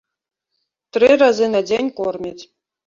Тры разы на дзень кормяць.